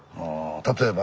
例えば？